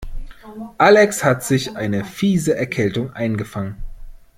Alex hat sich eine fiese Erkältung eingefangen.